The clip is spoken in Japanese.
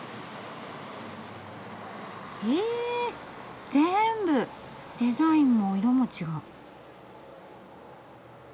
へえ全部デザインも色も違う。